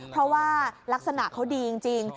เพราะว่ารักษณะเขาดีจริง